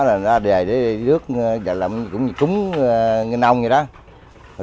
đó là ra về để rước làm cũng như cúng nginh âu vậy đó